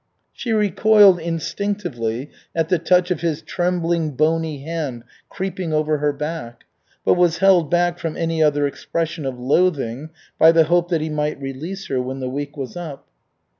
She recoiled instinctively at the touch of his trembling bony hand creeping over her back, but was held back from any other expression of loathing by the hope that he might release her when the week was up.